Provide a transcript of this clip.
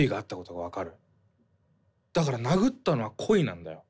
だからなぐったのは故意なんだよ。